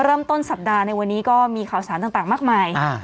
เริ่มต้นสัปดาห์ในวันนี้ก็มีข่าวสารต่างมากมาย